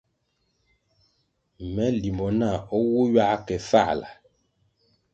Me limbo nah o wu ywa ke Fāla.